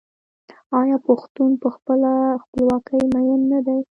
آیا پښتون په خپله خپلواکۍ مین نه دی؟